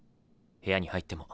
部屋に入っても。